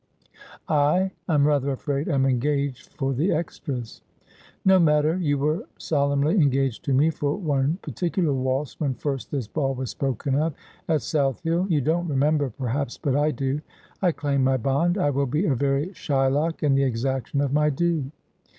' I — I'm rather afraid I'm engaged for the extras.' 'No matter. You were solemnly engaged to me for one particular waltz when first this ball was spoken of at South Hill. You don't remember, perhaps ; but I do. I claim my bond. I will be a very Shylock in the exaction of my due.'